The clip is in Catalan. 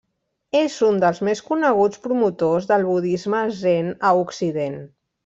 És un dels més coneguts promotors del budisme zen a occident.